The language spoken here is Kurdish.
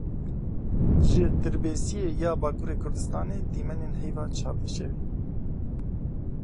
Ji Dirbêsiyê ya Bakurê Kurdistanê dîmenên heyva çardeşevî.